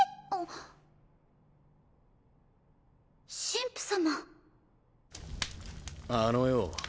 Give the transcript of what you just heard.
神父様あのよ